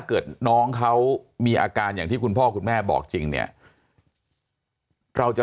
เกิดน้องเขามีอาการอย่างที่คุณพ่อคุณแม่บอกจริงเนี่ยเราจะ